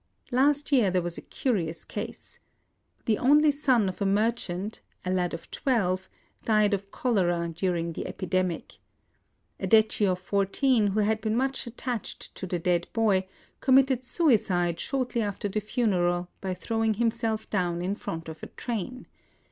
Last year there was a curious case. The only son of a merchant — a lad of twelve — died of cholera during the epidemic. A detchi of fourteen, who had been much attached to the dead boy, committed suicide shortly after the funeral by throwing himself down in front of a train.